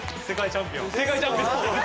世界チャンピオン。